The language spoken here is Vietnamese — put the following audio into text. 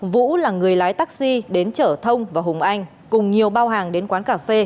vũ là người lái taxi đến chở thông và hùng anh cùng nhiều bao hàng đến quán cà phê